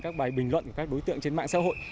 các bài bình luận của các đối tượng trên mạng xã hội